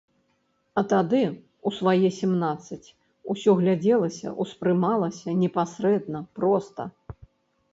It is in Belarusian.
А тады, у свае сямнаццаць, усё глядзелася, успрымалася непасрэдна, проста.